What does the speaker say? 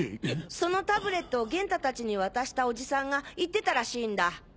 そのタブレットを元太たちに渡したおじさんが言ってたらしいんだ。